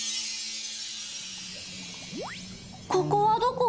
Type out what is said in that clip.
ここはどこ？